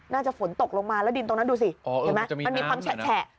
น่าจะฝนตกลงมาแล้วดินตรงนั้นดูสิเห็นไหมมันมีความแฉะ